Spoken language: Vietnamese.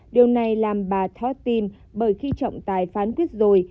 điều này làm bà thort tim bởi khi trọng tài phán quyết rồi